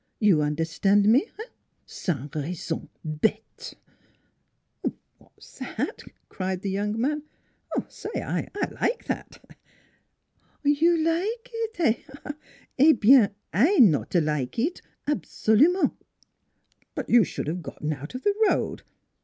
"You un'erstan' me eh? Sans raison bete!" " What's that? " cried the young man. " Say! I like that!" "You like eet eh? Eh bien I not like eet, absolument! "" But you should have gotten out of the road.